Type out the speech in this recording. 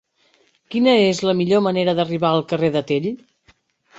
Quina és la millor manera d'arribar al carrer de Tell?